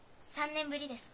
３年ぶりです。